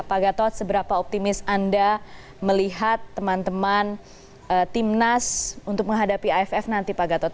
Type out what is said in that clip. pak gatot seberapa optimis anda melihat teman teman timnas untuk menghadapi aff nanti pak gatot